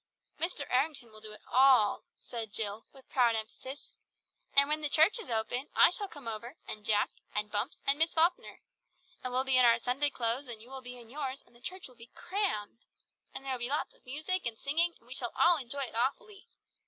"Mr. Errington will do it all," said Jill with proud emphasis. "And when the church is open, I shall come over, and Jack, and Bumps, and Miss Falkner. And we'll be in our Sunday clothes, and you will be in yours, and the church will be crammed! And there'll be lots of music and singing, and we shall all enjoy it awfully!